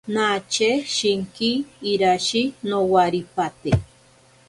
Nache shinki irashi nowaripate.